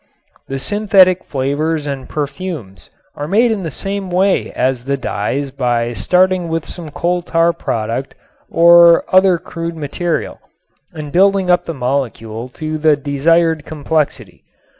The synthetic flavors and perfumes are made in the same way as the dyes by starting with some coal tar product or other crude material and building up the molecule to the desired complexity.